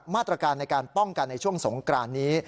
มาตรการในการป้องกันในช่วงสงกรานนี้